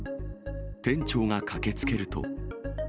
店長が駆けつけると。